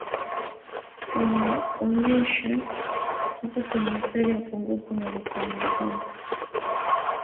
wanaonyonyesha wako kwenye hatari ya upungufu wa vitamini A